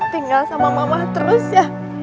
tinggal sama mama terus ya